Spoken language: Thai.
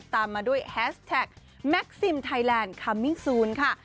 ตามมาด้วยแฮสแท็กแม็กซิมไทยแลนด์คัมมิ่งซูนค่ะ